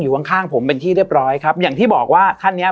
ข้างข้างผมเป็นที่เรียบร้อยครับอย่างที่บอกว่าท่านเนี้ย